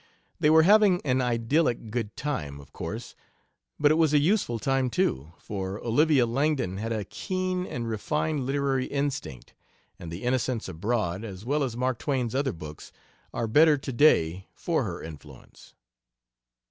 They were having an idyllic good time, of course, but it was a useful time, too, for Olivia Langdon had a keen and refined literary instinct, and the Innocents Abroad, as well as Mark Twain's other books, are better to day for her influence.